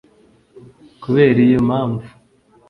kubera iyo mpamvu